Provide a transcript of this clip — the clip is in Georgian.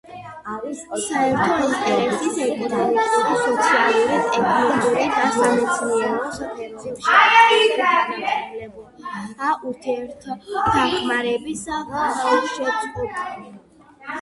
საერთო ინტერესის ეკონომიკური, სოციალური, ტექნიკური და სამეცნიერო სფეროებში აქტიური თანამშრომლობა და ურთიერთდახმარების ხელშეწყობა.